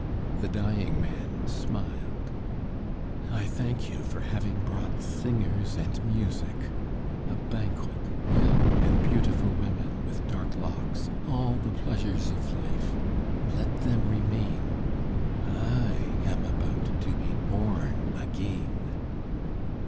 The dying man smiled. "I thank you for having brought singers and music! A banquet, young and beautiful women, with dark locks, all the pleasures of life. Let them remain. I am about to be born again."